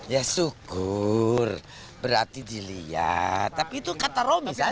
ya syukur berarti dilihat tapi itu kata roby saja